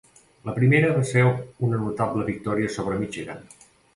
La primera va ser una notable victòria sobre Michigan.